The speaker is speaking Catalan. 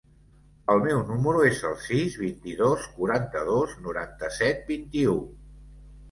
El meu número es el sis, vint-i-dos, quaranta-dos, noranta-set, vint-i-u.